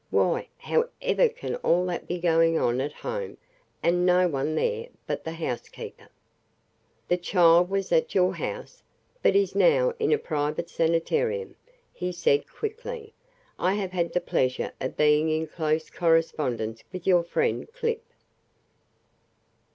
Why, however can all that be going on at home and no one there but the housekeeper " "The child was at your house, but is now in a private sanitarium," he said quickly. "I have had the pleasure of being in close correspondence with your friend Clip."